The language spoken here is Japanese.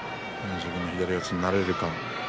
自分の左四つになれるか。